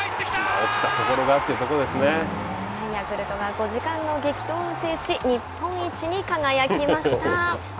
落ちたところがヤクルトが５時間の激闘を制し日本一に輝きました。